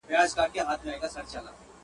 په تنور کي زېږېدلي په تنور کي به ښخیږي.